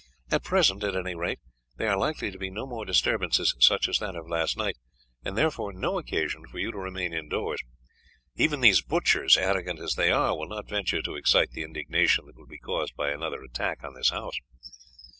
At present, at any rate, there are likely to be no more disturbances such as that of last night, and therefore no occasion for you to remain indoors. Even these butchers, arrogant as they are, will not venture to excite the indignation that would be caused by another attack on this house.